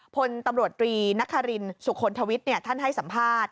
พลตำรวจตรีนครินสุคลทวิทย์ท่านให้สัมภาษณ์